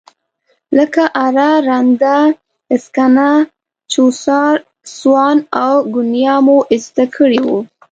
لکه اره، رنده، سکنه، چوسار، سوان او ګونیا مو زده کړي وو.